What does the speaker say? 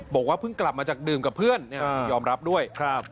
บอกว่าเพิ่งกลับมาจากดื่มกับเพื่อนยอมรับด้วย